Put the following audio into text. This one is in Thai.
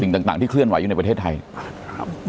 ต่างที่เคลื่อนไหวอยู่ในประเทศไทยครับ